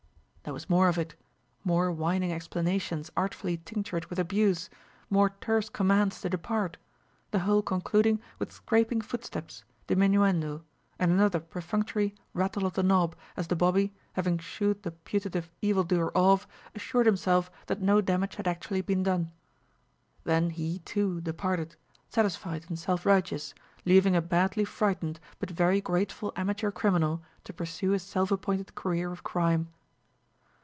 There was more of it more whining explanations artfully tinctured with abuse, more terse commands to depart, the whole concluding with scraping footsteps, diminuendo, and another perfunctory, rattle of the knob as the bobby, having shoo'd the putative evil doer off, assured himself that no damage had actually been done. Then he, too, departed, satisfied and self righteous, leaving a badly frightened but very grateful amateur criminal to pursue his self appointed career of crime.